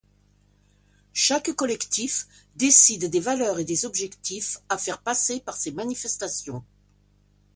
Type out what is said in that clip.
Chaque collectif décide des valeurs et des objectifs à faire passer par ces manifestations.